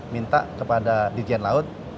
minta kepada dirjen laut